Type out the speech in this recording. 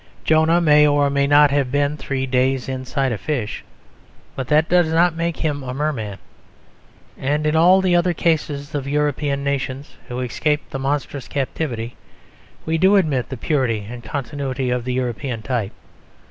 Jonah may or may not have been three days inside a fish, but that does not make him a merman. And in all the other cases of European nations who escaped the monstrous captivity, we do admit the purity and continuity of the European type.